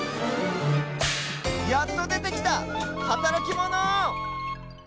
やっとでてきたはたらきモノ！